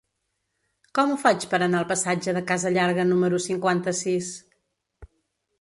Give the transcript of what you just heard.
Com ho faig per anar al passatge de Casa Llarga número cinquanta-sis?